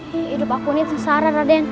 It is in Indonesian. hidup aku ini tersara raden